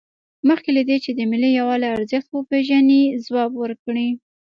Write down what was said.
مخکې له دې چې د ملي یووالي ارزښت وپیژنئ ځواب ورکړئ.